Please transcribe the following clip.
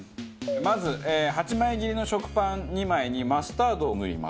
まず８枚切りの食パン２枚にマスタードを塗ります。